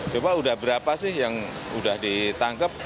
bapak sudah berapa sih yang sudah ditangkep